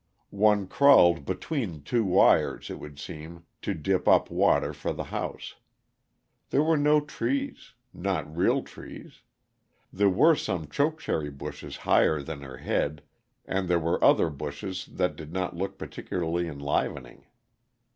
One crawled between two wires, it would seem, to dip up water for the house. There were no trees not real trees. There were some chokecherry bushes higher than her head, and there were other bushes that did not look particularly enlivening.